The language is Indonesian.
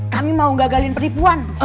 kami mau gagalin penipuan